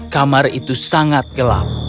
kamar itu sangat gelap